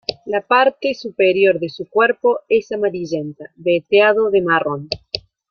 La parte superior de su cuerpo es amarillenta, veteado de marrón.